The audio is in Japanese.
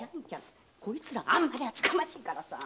こいつらあんまりあつかましいからさあ。